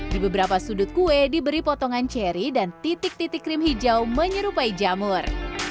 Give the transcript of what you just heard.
di beberapa sudut kue diberi potongan ceri dan titik titik krim hijau menyerupai jamur